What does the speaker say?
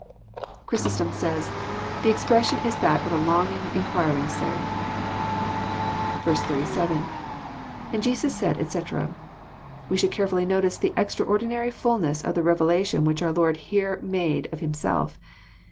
Chrysostom says: <<The expression is that of a longing, In quiring soul." 37. — lAnd Jesus said, etc*] We should careftilly notice the extraor dinary fulness of the revelaftion which our Lord here made of Himself.